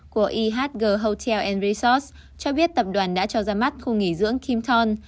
của ihg hotel edes cho biết tập đoàn đã cho ra mắt khu nghỉ dưỡng kim thon